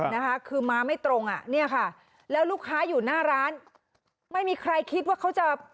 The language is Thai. นะคะคือมาไม่ตรงอ่ะเนี่ยค่ะแล้วลูกค้าอยู่หน้าร้านไม่มีใครคิดว่าเขาจะ